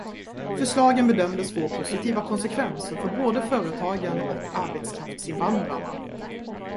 Förslagen bedöms få positiva konsekvenser för både företagen och arbetskraftsinvandrarna.